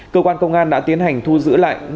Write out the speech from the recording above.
cơ quan công an đã tiến hành thu giữ lại